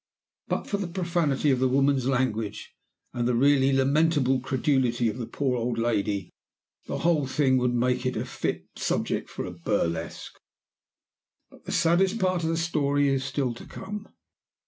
But for the profanity of the woman's language, and the really lamentable credulity of the poor old lady, the whole thing would make a fit subject for a burlesque. "But the saddest part of the story is still to come.